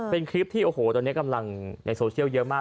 เป็นคลิปที่โอ้โหตอนนี้กำลังในโซเชียลเยอะมาก